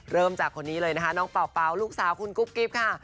เริ่มจากคนนี้เลยนะคะน้องเป่าลูกสาวคุณกุ๊บกิ๊บค่ะ